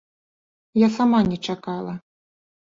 Я сама не чакала.